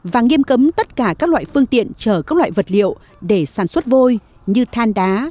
và nghiêm cấm tất cả các loại phương tiện chở các loại vật liệu để sản xuất vôi như than đá